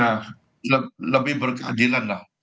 nah lebih berkeadilan lah